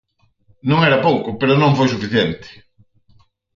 Non era pouco, pero non foi suficiente.